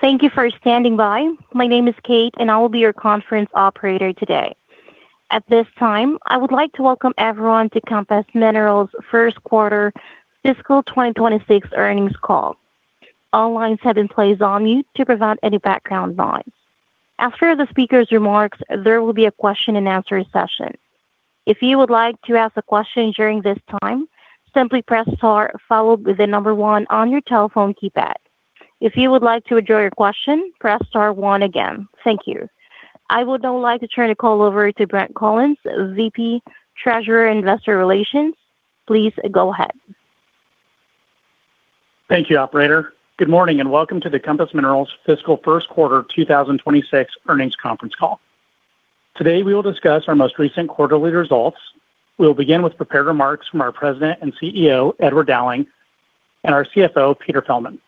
Thank you for standing by. My name is Kate, and I will be your conference operator today. At this time, I would like to welcome everyone to Compass Minerals first quarter fiscal 2026 earnings call. All lines have been placed on mute to prevent any background noise. After the speaker's remarks, there will be a question and answer session. If you would like to ask a question during this time, simply press star, followed by the number one on your telephone keypad. If you would like to withdraw your question, press star one again. Thank you. I would now like to turn the call over to Brent Collins, VP, Treasurer and Investor Relations. Please go ahead. Thank you, operator. Good morning, and welcome to the Compass Minerals fiscal first quarter 2026 earnings conference call. Today, we will discuss our most recent quarterly results. We'll begin with prepared remarks from our President and CEO, Edward Dowling, and our CFO, Peter Fjellman.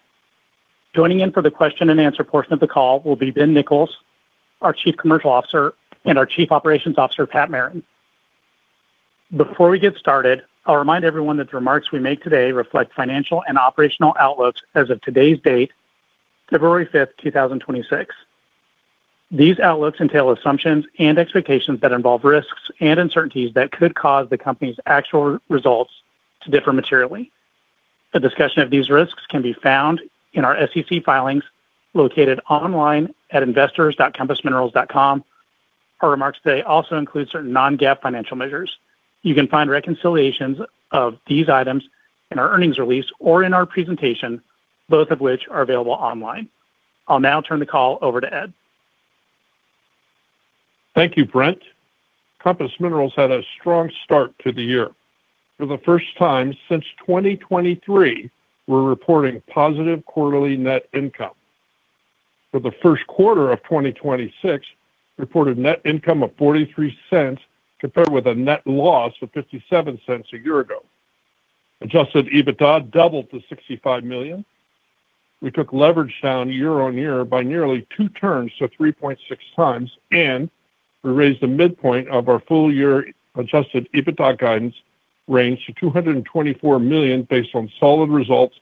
Joining in for the question and answer portion of the call will be Ben Nichols, our Chief Commercial Officer, and our Chief Operations Officer, Pat Merrin. Before we get started, I'll remind everyone that the remarks we make today reflect financial and operational outlooks as of today's date, February 5th, 2026. These outlooks entail assumptions and expectations that involve risks and uncertainties that could cause the company's actual results to differ materially. A discussion of these risks can be found in our SEC filings, located online at investors.compassminerals.com. Our remarks today also include certain non-GAAP financial measures. You can find reconciliations of these items in our earnings release or in our presentation, both of which are available online. I'll now turn the call over to Ed. Thank you, Brent. Compass Minerals had a strong start to the year. For the first time since 2023, we're reporting positive quarterly net income. For the first quarter of 2026, reported net income of $0.43, compared with a net loss of $0.57 a year ago. Adjusted EBITDA doubled to $65 million. We took leverage down year on year by nearly two turns to 3.6x, and we raised the midpoint of our full-year adjusted EBITDA guidance range to $224 million, based on solid results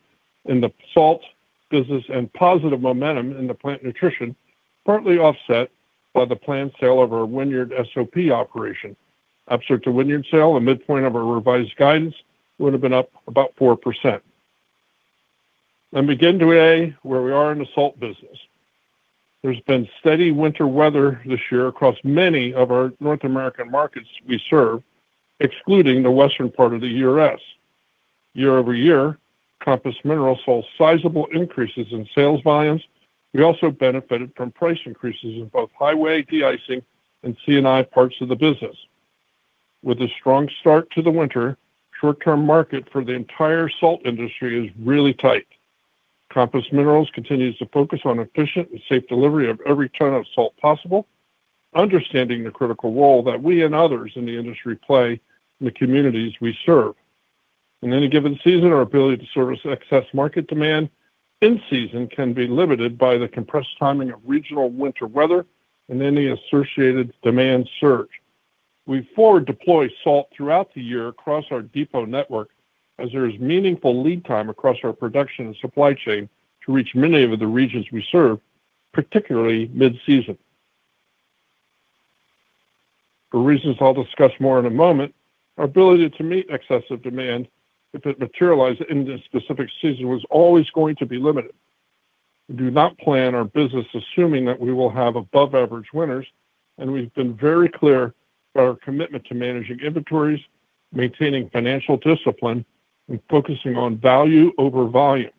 in the salt business and positive momentum in the Plant Nutrition, partly offset by the planned sale of our Wynyard SOP operation. Absent the Wynyard sale, a midpoint of our revised guidance would have been up about 4%. Let me begin today where we are in the salt business. There's been steady winter weather this year across many of our North American markets we serve, excluding the western part of the U.S. Year-over-year, Compass Minerals saw sizable increases in sales volumes. We also benefited from price increases in both highway de-icing and C&I parts of the business. With a strong start to the winter, short-term market for the entire salt industry is really tight. Compass Minerals continues to focus on efficient and safe delivery of every ton of salt possible, understanding the critical role that we and others in the industry play in the communities we serve. In any given season, our ability to service excess market demand in season can be limited by the compressed timing of regional winter weather and any associated demand surge. We forward deploy salt throughout the year across our depot network as there is meaningful lead time across our production and supply chain to reach many of the regions we serve, particularly mid-season. For reasons I'll discuss more in a moment, our ability to meet excessive demand, if it materialized in this specific season, was always going to be limited. We do not plan our business assuming that we will have above-average winters, and we've been very clear about our commitment to managing inventories, maintaining financial discipline, and focusing on value over volume.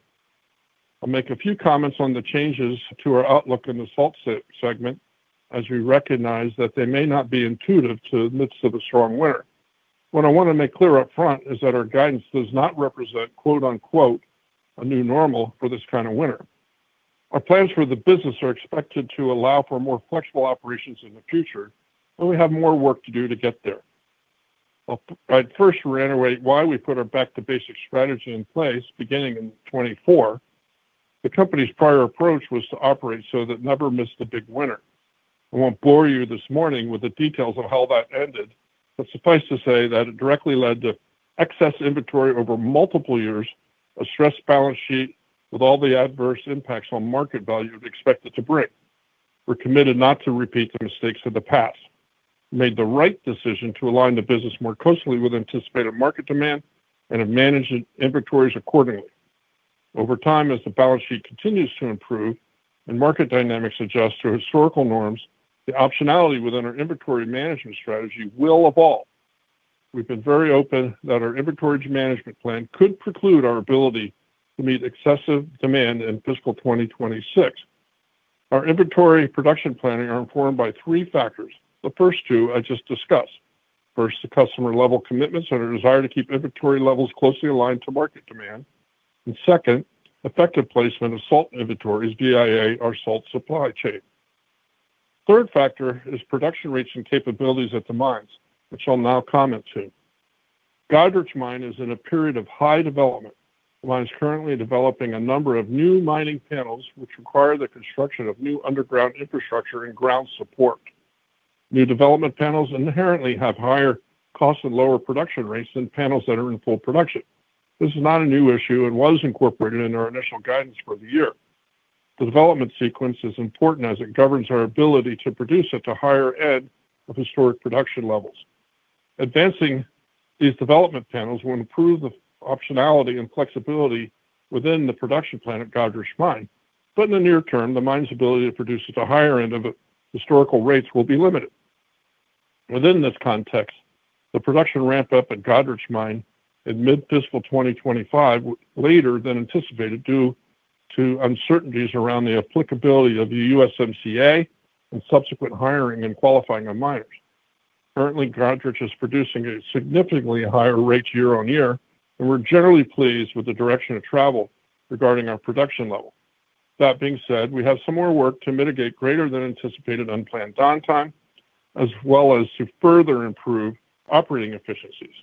I'll make a few comments on the changes to our outlook in the salt segment, as we recognize that they may not be intuitive to the midst of a strong winter. What I want to make clear up front is that our guidance does not represent, quote, unquote, “A new normal for this kind of winter.” Our plans for the business are expected to allow for more flexible operations in the future, but we have more work to do to get there. Well, I'd first reiterate why we put our Back-to-Basics strategy in place beginning in 2024. The company's prior approach was to operate so that never missed a big winter. I won't bore you this morning with the details of how that ended, but suffice to say that it directly led to excess inventory over multiple years, a stressed balance sheet with all the adverse impacts on market value expected to bring. We're committed not to repeat the mistakes of the past. We made the right decision to align the business more closely with anticipated market demand and have managed the inventories accordingly. Over time, as the balance sheet continues to improve and market dynamics adjust to historical norms, the optionality within our inventory management strategy will evolve. We've been very open that our inventory management plan could preclude our ability to meet excessive demand in fiscal 2026. Our inventory production planning are informed by three factors. The first two, I just discussed. First, the customer level commitments and a desire to keep inventory levels closely aligned to market demand. And second, effective placement of salt inventories via our salt supply chain. Third factor is production rates and capabilities at the mines, which I'll now comment to. Goderich Mine is in a period of high development. The mine is currently developing a number of new mining panels, which require the construction of new underground infrastructure and ground support. New development panels inherently have higher costs and lower production rates than panels that are in full production. This is not a new issue and was incorporated in our initial guidance for the year. The development sequence is important as it governs our ability to produce at the higher end of historic production levels. Advancing these development panels will improve the optionality and flexibility within the production plan at Goderich Mine. But in the near term, the mine's ability to produce at the higher end of historical rates will be limited. Within this context, the production ramp-up at Goderich Mine in mid-fiscal 2025, later than anticipated, due to uncertainties around the applicability of the USMCA and subsequent hiring and qualifying of miners. Currently, Goderich is producing a significantly higher rate year-on-year, and we're generally pleased with the direction of travel regarding our production level. That being said, we have some more work to mitigate greater than anticipated unplanned downtime, as well as to further improve operating efficiencies.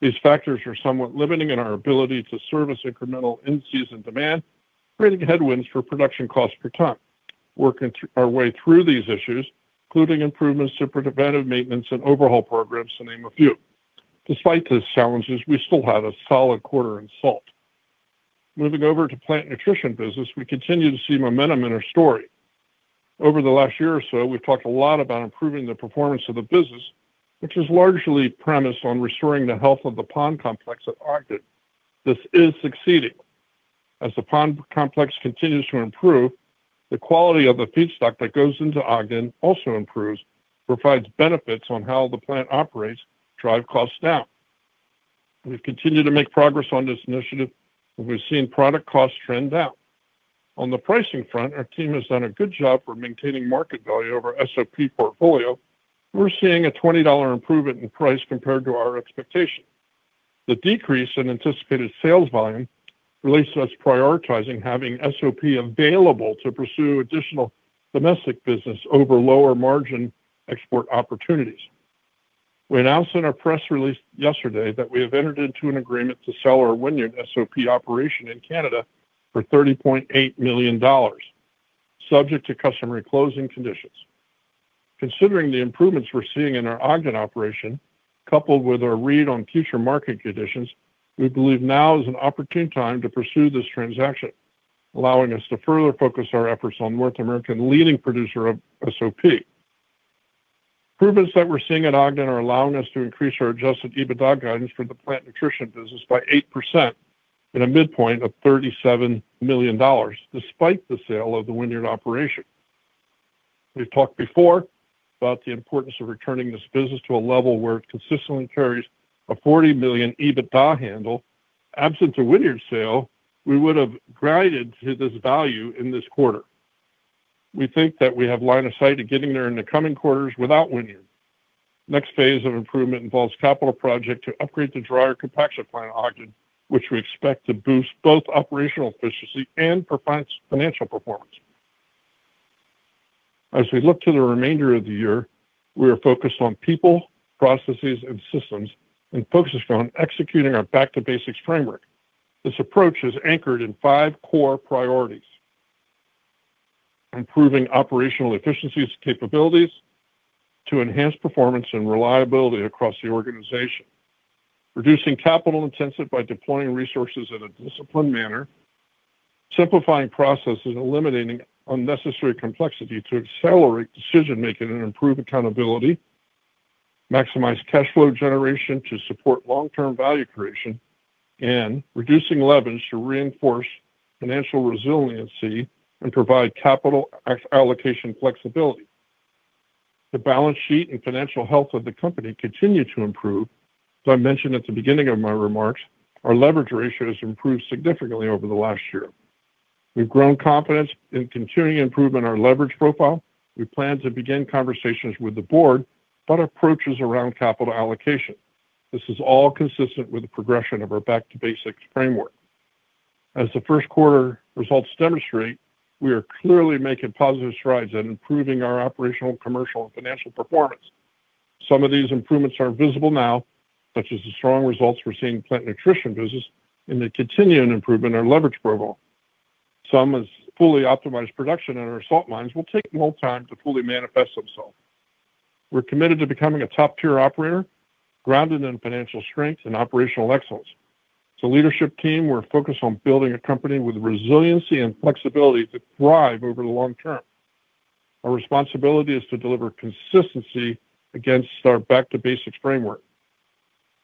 These factors are somewhat limiting in our ability to service incremental in-season demand, creating headwinds for production costs per ton. Working our way through these issues, including improvements to preventive maintenance and overhaul programs, to name a few. Despite these challenges, we still had a solid quarter in Salt. Moving over to Plant Nutrition business, we continue to see momentum in our story. Over the last year or so, we've talked a lot about improving the performance of the business, which is largely premised on restoring the health of the pond complex at Ogden. This is succeeding. As the pond complex continues to improve, the quality of the feedstock that goes into Ogden also improves, provides benefits on how the plant operates, drive costs down. We've continued to make progress on this initiative, and we've seen product costs trend down. On the pricing front, our team has done a good job for maintaining market value of our SOP portfolio. We're seeing a $20 improvement in price compared to our expectation. The decrease in anticipated sales volume relates to us prioritizing having SOP available to pursue additional domestic business over lower-margin export opportunities. We announced in our press release yesterday that we have entered into an agreement to sell our Wynyard SOP operation in Canada for $30.8 million, subject to customary closing conditions. Considering the improvements we're seeing in our Ogden operation, coupled with our read on future market conditions, we believe now is an opportune time to pursue this transaction, allowing us to further focus our efforts on North American leading producer of SOP. Improvements that we're seeing at Ogden are allowing us to increase our adjusted EBITDA guidance for the Plant Nutrition business by 8% in a midpoint of $37 million, despite the sale of the Wynyard operation. We've talked before about the importance of returning this business to a level where it consistently carries a $40 million EBITDA handle. Absence of Wynyard sale, we would have grinded to this value in this quarter. We think that we have line of sight to getting there in the coming quarters without Wynyard. Next phase of improvement involves capital project to upgrade the dryer compaction plant at Ogden, which we expect to boost both operational efficiency and provide financial performance. As we look to the remainder of the year, we are focused on people, processes, and systems, and focused on executing our Back-to-Basics framework. This approach is anchored in five core priorities: improving operational efficiencies and capabilities to enhance performance and reliability across the organization. Reducing capital intensity by deploying resources in a disciplined manner. Simplifying processes and eliminating unnecessary complexity to accelerate decision-making and improve accountability. Maximize cash flow generation to support long-term value creation, and reducing leverage to reinforce financial resiliency and provide capital allocation flexibility. The balance sheet and financial health of the company continue to improve. So I mentioned at the beginning of my remarks, our leverage ratio has improved significantly over the last year. We've grown confidence in continuing to improve in our leverage profile. We plan to begin conversations with the board about approaches around capital allocation. This is all consistent with the progression of our Back-to-Basics framework. As the first quarter results demonstrate, we are clearly making positive strides in improving our operational, commercial, and financial performance. Some of these improvements are visible now, such as the strong results we're seeing in Plant Nutrition business, and the continuing improvement in our leverage profile. Some, as fully optimized production in our Salt mines will take more time to fully manifest themselves. We're committed to becoming a top-tier operator, grounded in financial strength and operational excellence. As a leadership team, we're focused on building a company with resiliency and flexibility to thrive over the long term. Our responsibility is to deliver consistency against our Back-to-Basics framework.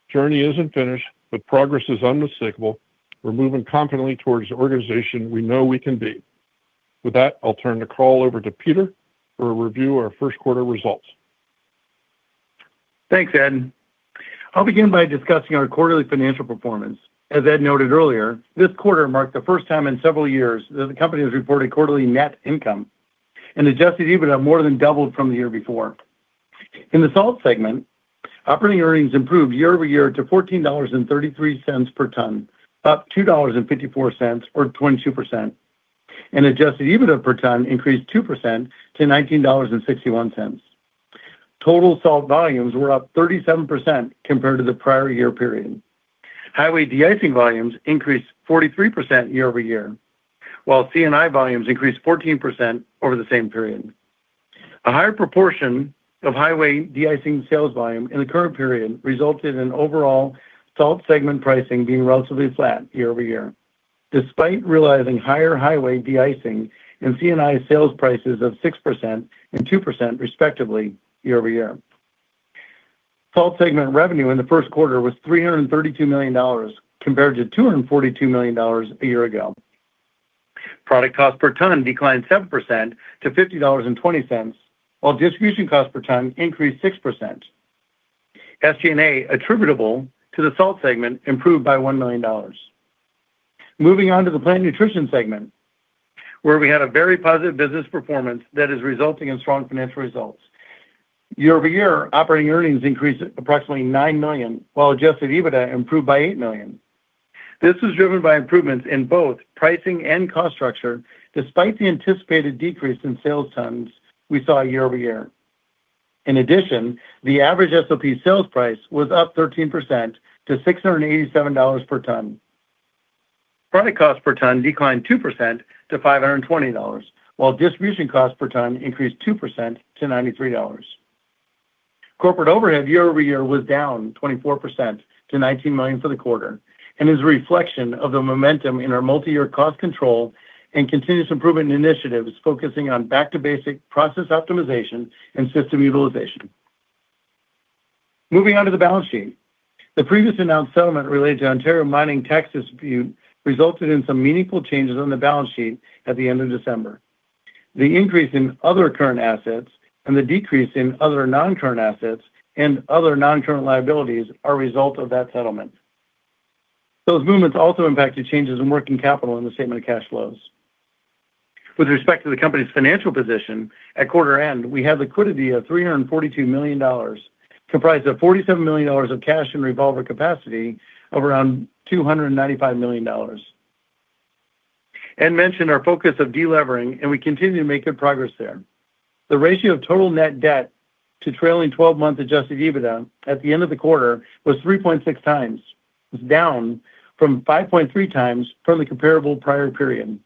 Journey isn't finished, but progress is unmistakable. We're moving confidently towards the organization we know we can be. With that, I'll turn the call over to Peter for a review of our first quarter results. Thanks, Ed. I'll begin by discussing our quarterly financial performance. As Ed noted earlier, this quarter marked the first time in several years that the company has reported quarterly net income and adjusted EBITDA more than doubled from the year before. In the salt segment, operating earnings improved year-over-year to $14.33 per ton, up $2.54 or 22%. Adjusted EBITDA per ton increased 2% to $19.61. Total salt volumes were up 37% compared to the prior year period. Highway de-icing volumes increased 43% year-over-year, while C&I volumes increased 14% over the same period. A higher proportion of highway de-icing sales volume in the current period resulted in overall salt segment pricing being relatively flat year-over-year, despite realizing higher highway de-icing and C&I sales prices of 6% and 2% respectively, year-over-year. Salt segment revenue in the first quarter was $332 million, compared to $242 million a year ago. Product cost per ton declined 7% to $50.20, while distribution cost per ton increased 6%. SG&A, attributable to the salt segment, improved by $1 million. Moving on to the Plant Nutrition segment, where we had a very positive business performance that is resulting in strong financial results. Year-over-year, operating earnings increased approximately $9 million, while adjusted EBITDA improved by $8 million. This was driven by improvements in both pricing and cost structure, despite the anticipated decrease in sales tons we saw year-over-year. In addition, the average SOP sales price was up 13% to $687 per ton. Product cost per ton declined 2% to $520, while distribution cost per ton increased 2% to $93. Corporate overhead year-over-year was down 24% to $19 million for the quarter, and is a reflection of the momentum in our multiyear cost control and continuous improvement initiatives, focusing on Back-to-Basics process optimization and system utilization. Moving on to the balance sheet. The previously announced settlement related to Ontario mining tax dispute resulted in some meaningful changes on the balance sheet at the end of December. The increase in other current assets and the decrease in other non-current assets and other non-current liabilities are a result of that settlement. Those movements also impacted changes in working capital in the statement of cash flows. With respect to the company's financial position, at quarter end, we have liquidity of $342 million, comprised of $47 million of cash and revolver capacity of around $295 million. Ed mentioned our focus of delevering, and we continue to make good progress there. The ratio of total net debt to trailing 12-month adjusted EBITDA at the end of the quarter was 3.6x. It's down from 5.3x from the comparable prior period.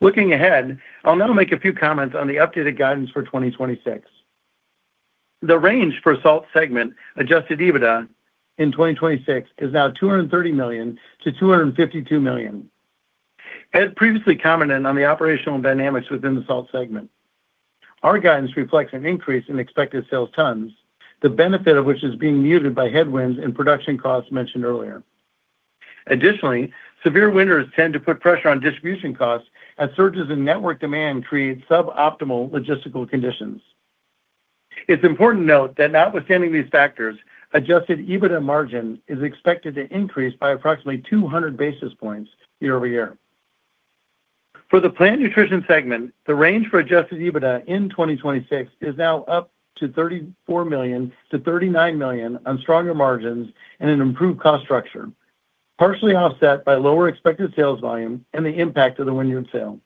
Looking ahead, I'll now make a few comments on the updated guidance for 2026. The range for salt segment adjusted EBITDA in 2026 is now $230 million-$252 million. As previously commented on the operational dynamics within the salt segment, our guidance reflects an increase in expected sales tons, the benefit of which is being muted by headwinds and production costs mentioned earlier. Additionally, severe winters tend to put pressure on distribution costs as surges in network demand create suboptimal logistical conditions. It's important to note that notwithstanding these factors, adjusted EBITDA margin is expected to increase by approximately 200 basis points year-over-year. For the Plant Nutrition segment, the range for adjusted EBITDA in 2026 is now up to $34 million-$39 million on stronger margins and an improved cost structure, partially offset by lower expected sales volume and the impact of the Wynyard sale.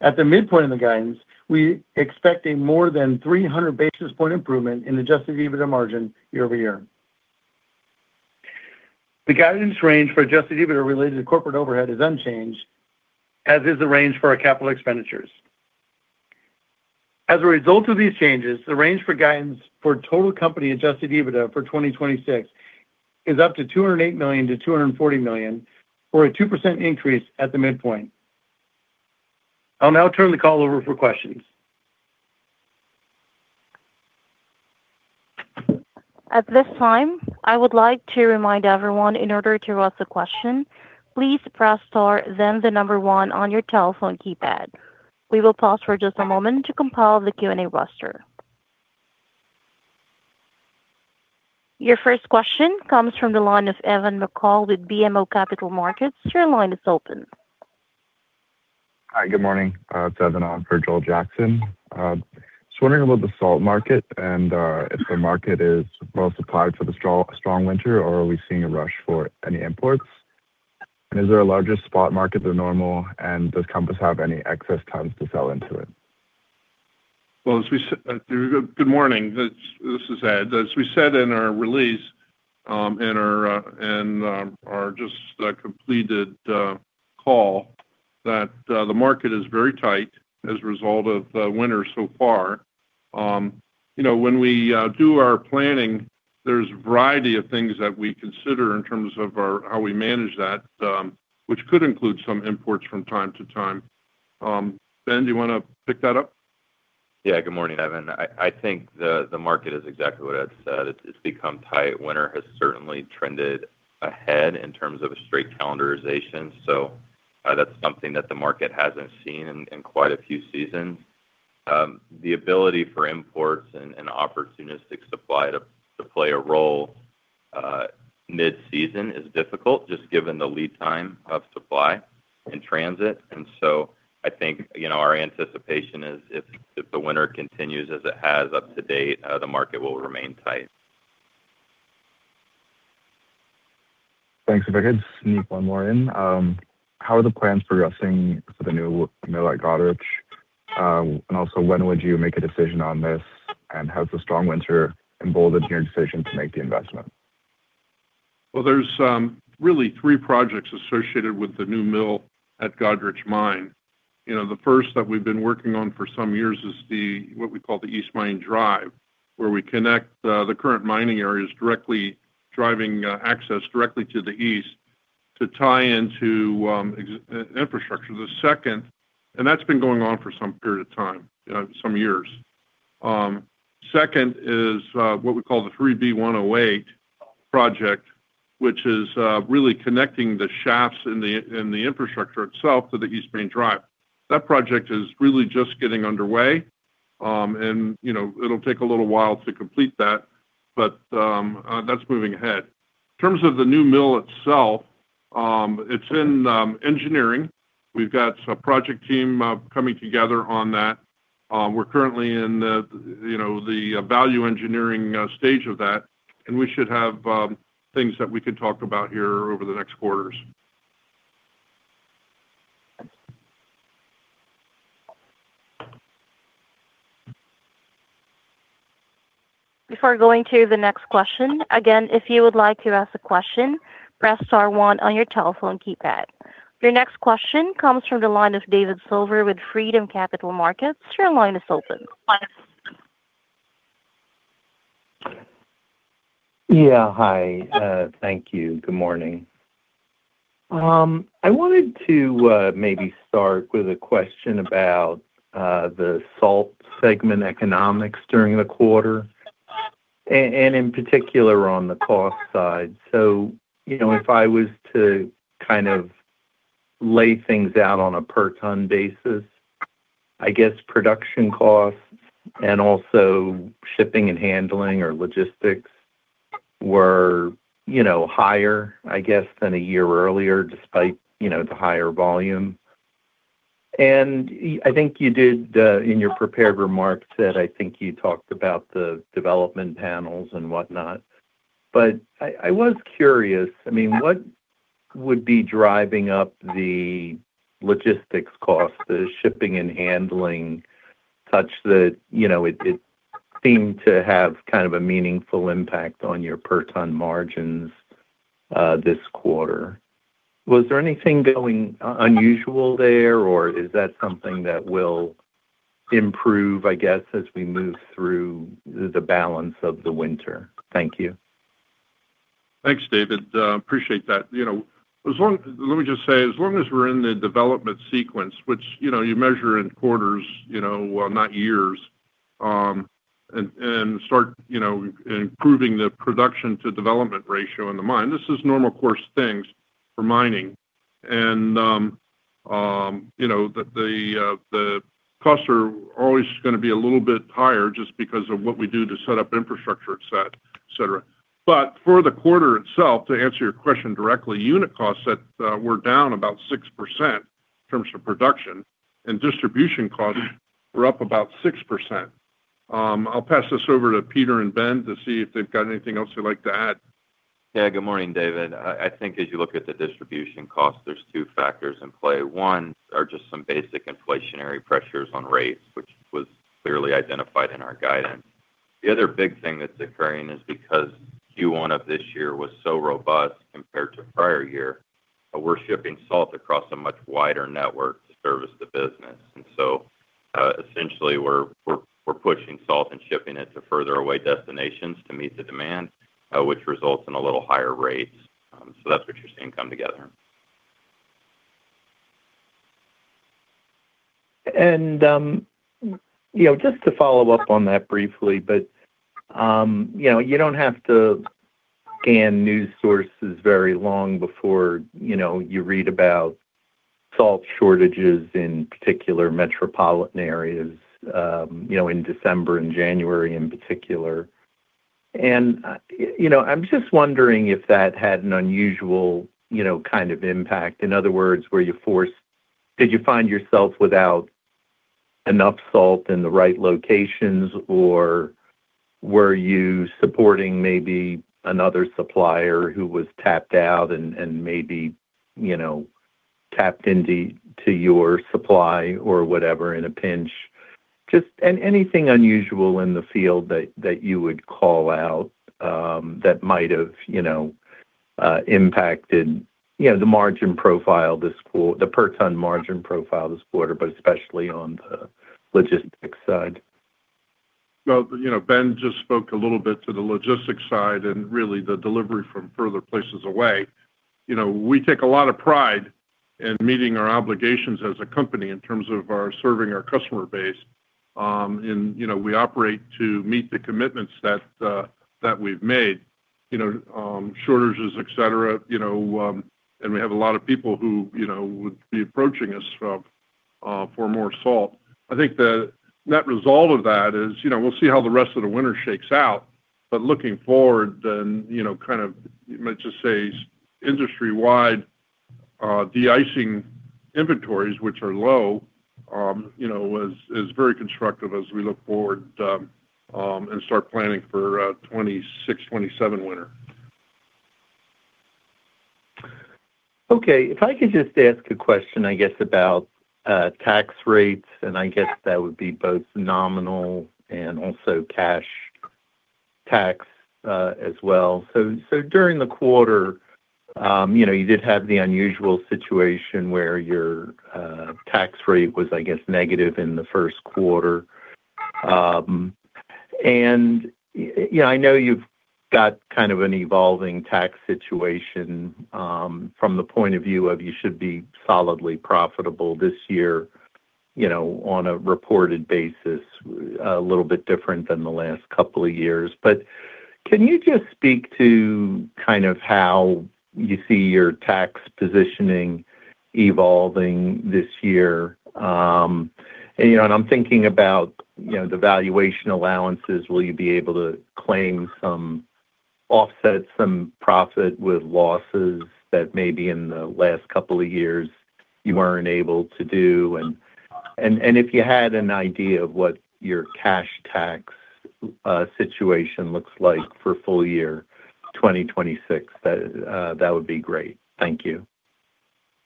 At the midpoint of the guidance, we expect a more than 300 basis point improvement in adjusted EBITDA margin year-over-year. The guidance range for adjusted EBITDA related to corporate overhead is unchanged, as is the range for our capital expenditures. As a result of these changes, the range for guidance for total company adjusted EBITDA for 2026 is up to $208 million-$240 million, or a 2% increase at the midpoint. I'll now turn the call over for questions. At this time, I would like to remind everyone in order to ask a question, please press star, then the number one on your telephone keypad. We will pause for just a moment to compile the Q&A roster. Your first question comes from the line of Evan McCall with BMO Capital Markets. Your line is open. Hi, good morning. It's Evan on for Joel Jackson. Just wondering about the salt market and if the market is well supplied for the strong winter, or are we seeing a rush for any imports? And is there a larger spot market than normal, and does Compass have any excess tons to sell into it? Good morning. This is Ed. As we said in our release, in our just completed call, that the market is very tight as a result of winter so far. You know, when we do our planning, there's a variety of things that we consider in terms of how we manage that, which could include some imports from time to time. Ben, do you wanna pick that up? Yeah. Good morning, Evan. I think the market is exactly what Ed said. It's become tight. Winter has certainly trended ahead in terms of a straight calendarization, so that's something that the market hasn't seen in quite a few seasons. The ability for imports and opportunistic supply to play a role mid-season is difficult, just given the lead time of supply in transit. And so I think, you know, our anticipation is if the winter continues as it has up to date, the market will remain tight. Thanks. If I could sneak one more in. How are the plans progressing for the new mill at Goderich? And also, when would you make a decision on this? And has the strong winter emboldened your decision to make the investment? Well, there's really three projects associated with the new mill at Goderich Mine. You know, the first that we've been working on for some years is the, what we call the East Mine Drive, where we connect the current mining areas directly driving access directly to the east to tie into existing infrastructure. The second... That's been going on for some period of time, some years. Second is what we call the 3B108 project, which is really connecting the shafts and the infrastructure itself to the East Mine Drive. That project is really just getting underway. And, you know, it'll take a little while to complete that, but that's moving ahead. In terms of the new mill itself, it's in engineering. We've got a project team coming together on that. We're currently in the, you know, the value engineering stage of that, and we should have things that we can talk about here over the next quarters. Before going to the next question, again, if you would like to ask a question, press star one on your telephone keypad. Your next question comes from the line of David Silver with Freedom Capital Markets. Your line is open. Yeah, hi. Thank you. Good morning. I wanted to maybe start with a question about the salt segment economics during the quarter, and in particular on the cost side. So, you know, if I was to kind of lay things out on a per-ton basis, I guess production costs and also shipping and handling or logistics were, you know, higher, I guess, than a year earlier, despite, you know, the higher volume. And I think you did in your prepared remarks that I think you talked about the development panels and whatnot, but I was curious, I mean, what would be driving up the logistics costs, the shipping and handling, such that, you know, it seemed to have kind of a meaningful impact on your per-ton margins this quarter? Was there anything going unusual there, or is that something that will improve, I guess, as we move through the balance of the winter? Thank you. Thanks, David. Appreciate that. You know, as long... Let me just say, as long as we're in the development sequence, which, you know, you measure in quarters, you know, well, not years, and, and start, you know, improving the production to development ratio in the mine, this is normal course things for mining. And, you know, the costs are always gonna be a little bit higher just because of what we do to set up infrastructure, et cetera. But for the quarter itself, to answer your question directly, unit costs that were down about 6% in terms of production, and distribution costs were up about 6%. I'll pass this over to Peter and Ben to see if they've got anything else they'd like to add. Yeah, good morning, David. I think as you look at the distribution cost, there's two factors in play. One, are just some basic inflationary pressures on rates, which was clearly identified in our guidance. The other big thing that's occurring is because Q1 of this year was so robust compared to prior year, we're shipping salt across a much wider network to service the business. And so, essentially, we're pushing salt and shipping it to further away destinations to meet the demand, which results in a little higher rates. So that's what you're seeing come together. You know, just to follow up on that briefly, but you know, you don't have to scan news sources very long before, you know, you read about salt shortages in particular metropolitan areas, you know, in December and January in particular. I'm just wondering if that had an unusual, you know, kind of impact. In other words, were you forced? Did you find yourself without enough salt in the right locations, or were you supporting maybe another supplier who was tapped out and maybe, you know, tapped into your supply or whatever, in a pinch? Just anything unusual in the field that you would call out that might have, you know, impacted, you know, the per ton margin profile this quarter, but especially on the logistics side. Well, you know, Ben just spoke a little bit to the logistics side and really the delivery from further places away. You know, we take a lot of pride in meeting our obligations as a company in terms of our serving our customer base. And, you know, we operate to meet the commitments that that we've made. You know, shortages, et cetera, you know, and we have a lot of people who, you know, would be approaching us for more salt. I think the net result of that is, you know, we'll see how the rest of the winter shakes out. But looking forward, then, you know, kind of, let's just say, industry-wide, de-icing inventories, which are low, you know, is very constructive as we look forward and start planning for 2026, 2027 winter. Okay. If I could just ask a question, I guess, about tax rates, and I guess that would be both nominal and also cash tax, as well. So, during the quarter, you know, you did have the unusual situation where your tax rate was, I guess, negative in the first quarter. And, you know, I know you've got kind of an evolving tax situation, from the point of view of you should be solidly profitable this year, you know, on a reported basis, a little bit different than the last couple of years. But can you just speak to kind of how you see your tax positioning evolving this year? And, you know, and I'm thinking about, you know, the valuation allowances. Will you be able to claim some offsets, some profit with losses that maybe in the last couple of years you weren't able to do? And, and, and if you had an idea of what your cash tax situation looks like for full year 2026, that, that would be great. Thank you.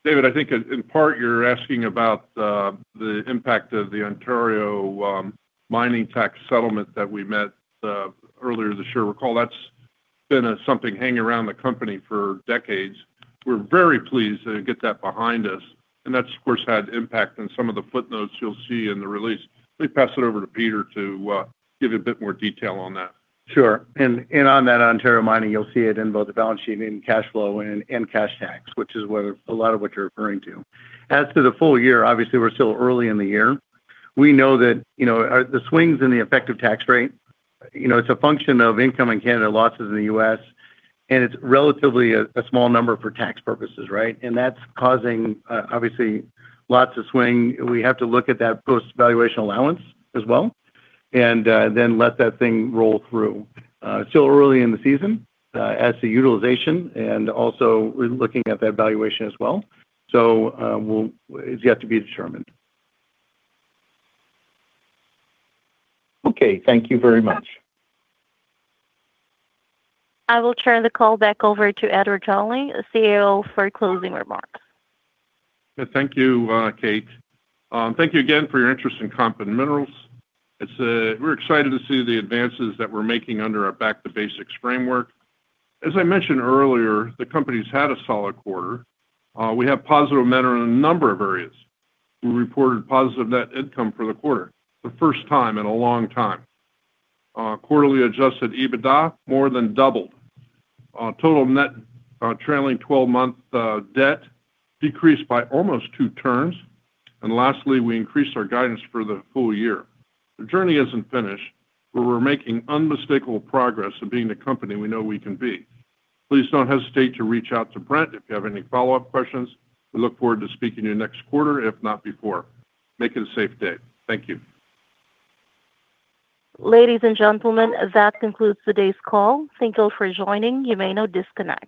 David, I think in part you're asking about the impact of the Ontario mining tax settlement that we met earlier this year. Recall, that's been something hanging around the company for decades. We're very pleased to get that behind us, and that, of course, had impact on some of the footnotes you'll see in the release. Let me pass it over to Peter to give you a bit more detail on that. Sure. And on that Ontario mining, you'll see it in both the balance sheet and cash flow and cash tax, which is where a lot of what you're referring to. As to the full year, obviously, we're still early in the year. We know that, you know, the swings in the effective tax rate, you know, it's a function of income in Canada, losses in the U.S., and it's relatively a small number for tax purposes, right? And that's causing, obviously, lots of swing. We have to look at that post-valuation allowance as well, and then let that thing roll through. Still early in the season, as to utilization, and also we're looking at that valuation as well, so, we'll. It's yet to be determined. Okay, thank you very much. I will turn the call back over to Edward Dowling, CEO, for closing remarks. Thank you, Kate. Thank you again for your interest in Compass Minerals. It's, we're excited to see the advances that we're making under our Back to Basics framework. As I mentioned earlier, the company's had a solid quarter. We have positive momentum in a number of areas. We reported positive net income for the quarter, the first time in a long time. Quarterly adjusted EBITDA more than doubled. Total net, trailing 12-month, debt decreased by almost two turns, and lastly, we increased our guidance for the full year. The journey isn't finished, but we're making unmistakable progress of being the company we know we can be. Please don't hesitate to reach out to Brent if you have any follow-up questions. We look forward to speaking to you next quarter, if not before. Make it a safe day. Thank you. Ladies and gentlemen, that concludes today's call. Thank you for joining. You may now disconnect.